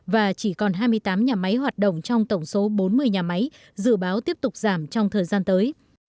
và chỉ còn hai mươi tám nhà máy hoạt động trong tổng số bốn mươi nhà máy dự báo tiếp tục giảm trong thời gian tới